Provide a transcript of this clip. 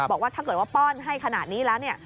บอกว่าถ้าเกิดว่าป้อนให้ขนาดนี้แล้วเนี่ย